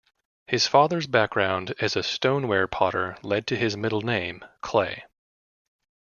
His father's background as a stoneware potter led to his middle name, Clay.